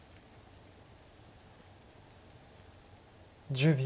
１０秒。